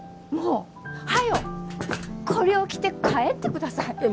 もう早うこりょう着て帰ってください。